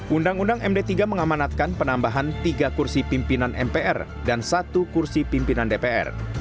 undang undang md tiga mengamanatkan penambahan tiga kursi pimpinan mpr dan satu kursi pimpinan dpr